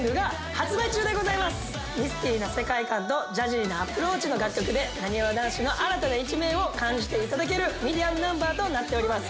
ミスティーな世界観とジャジーなアプローチの楽曲でなにわ男子の新たな一面を感じていただけるミディアムナンバーとなっております。